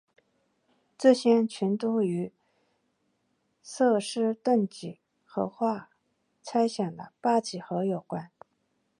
这些群都与瑟斯顿几何化猜想的八几何有关。